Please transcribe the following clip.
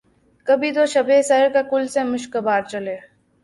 کبھی تو شب سر کاکل سے مشکبار چلے